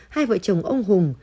hai vợ chồng ông hùng